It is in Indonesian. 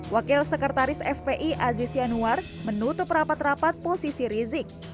wakil sekretaris fpi aziz yanuar menutup rapat rapat posisi rizik